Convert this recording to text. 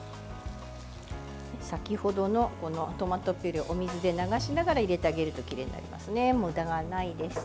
先ほどのトマトピュレはお水で流しながら入れてあげるときれいになります。